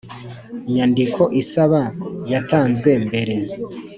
Nyandiko isaba yatanzwe mbere